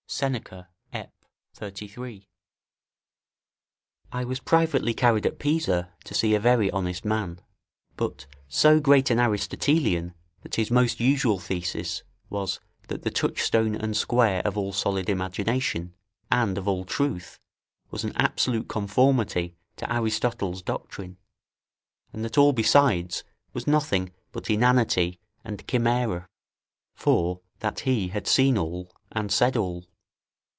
Seneca, Ep., 33.] I was privately carried at Pisa to see a very honest man, but so great an Aristotelian, that his most usual thesis was: "That the touchstone and square of all solid imagination, and of all truth, was an absolute conformity to Aristotle's doctrine; and that all besides was nothing but inanity and chimera; for that he had seen all, and said all."